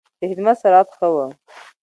د خدمت سرعت ښه و.